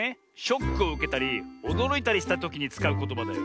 ショックをうけたりおどろいたりしたときにつかうことばだよ。